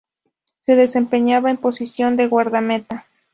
Se desempeñaba en posición de guardameta.